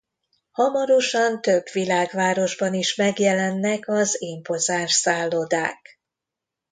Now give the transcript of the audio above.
Hamarosan több világvárosban is megjelennek az impozáns szállodák.